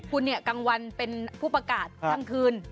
คุณเนี่ยกลางวันเป็นผู้ประกาศทั้งคืน